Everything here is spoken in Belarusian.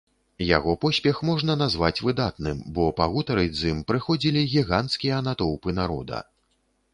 Яго поспех можна назваць выдатным, бо пагутарыць з ім прыходзілі гіганцкія натоўпы народа.